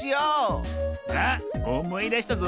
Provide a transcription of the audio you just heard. あっおもいだしたぞ。